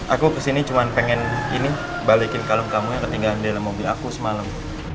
aku kesini cuma pengen ini balikin kalung kamu yang ketinggalan di dalam mobil aku semalam